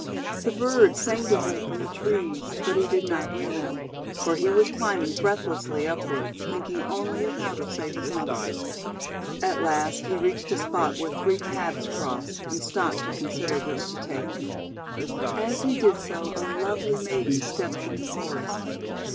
The birds sang to him from the trees, MAIDEN OF THE CAMELLIAS 41 but he did not hear them; for he was climbing breathlessly upward, thinking only of how to save his mother. At last he reached a spot where three paths crossed, and stopped to consider which to take. As he did so, a lovely maiden stepped from the forest.